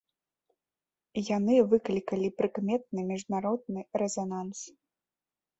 Яны выклікалі прыкметны міжнародны рэзананс.